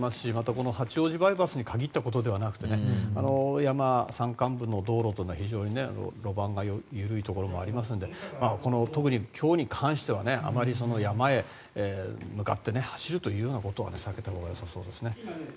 この八王子バイパスに限ったことではなくて山間部の道路は非常に路盤が緩いところもありますので特に、今日に関してはあまり、山へ向かって走るというようなことは避けたほうが良さそうですね。